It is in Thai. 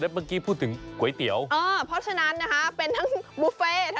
๒๙บาทเท่านั้นค่ะ